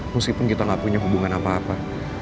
meskipun kita gak punya hubungan apa apa